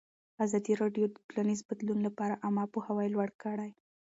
ازادي راډیو د ټولنیز بدلون لپاره عامه پوهاوي لوړ کړی.